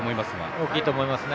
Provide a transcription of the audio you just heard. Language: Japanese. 大きいと思いますね。